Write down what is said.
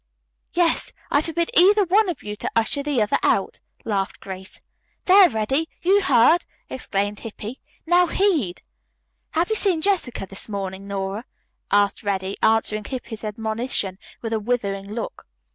"Yes, I forbid either one of you to usher the other out," laughed Grace. "There, Reddy, you heard!" exclaimed Hippy. "Now heed." "Have you seen Jessica this morning, Nora?" asked Reddy, answering Hippy's admonition with a withering look.